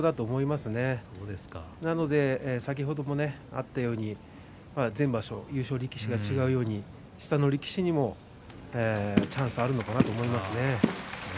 ですから先ほどもあったように全場所、優勝力士が違うように下の力士にもチャンスがあるのかなと思いますね。